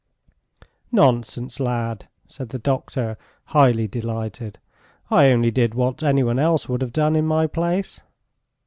"Nonsense, lad!" said the doctor, highly delighted. "I only did what anyone else would have done in my place."